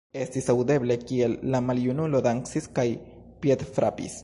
Estis aŭdeble, kiel la maljunulo dancis kaj piedfrapis.